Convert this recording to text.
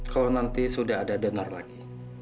kalau nanti sudah ada donor lagi